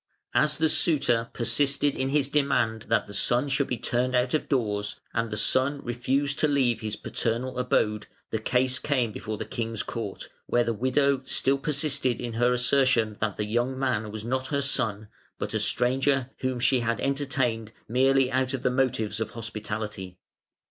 As the suitor persisted in his demand that the son should be turned out of doors, and the son refused to leave his paternal abode, the case came before the King's Court, where the widow still persisted in her assertion that the young man was not her son, but a stranger whom she had entertained merely out of motives of hospitality.